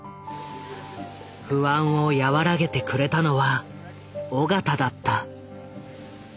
不安を和らげてくれたのは緒方だった。